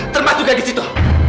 termasuk gadis itu